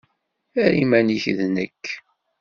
Err iman-nnek d nekk.